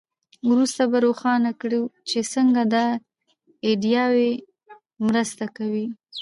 وروسته به روښانه کړو چې څنګه دا ایډیاوې مرسته کوي.